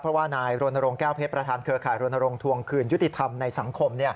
เพราะว่านายรณรงค์แก้วเพชรประธานเครือข่ายรณรงค์ทวงคืนยุติธรรมในสังคม